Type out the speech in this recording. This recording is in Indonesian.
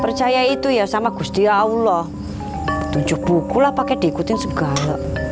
percaya itu ya sama gusti allah tunjuk bukulah pakai diikuti segala